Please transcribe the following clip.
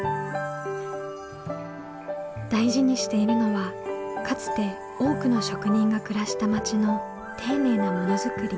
大事にしているのはかつて多くの職人が暮らした町の丁寧なものづくり。